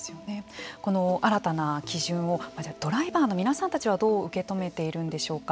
この新たな基準をドライバーの皆さんたちはどう受け止めているんでしょうか。